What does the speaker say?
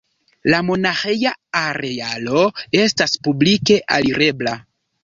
La monaĥeja arealo estas publike alirebla.